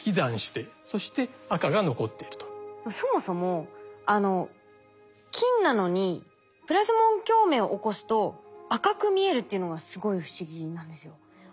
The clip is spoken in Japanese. そもそも金なのにプラズモン共鳴を起こすと赤く見えるっていうのがすごい不思議なんですよ。